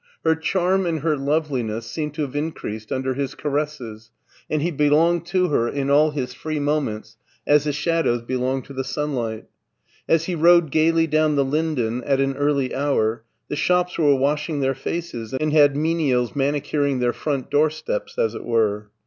Her charm and her loveliness seemed to have increased under his caresses, and he belonged to her in all his free moments as the shadows belong to the sunlight. As he rode gayly down the Linden at an early hour, the shops were washing their faces and had menials manicuring their front doorsteps as It were.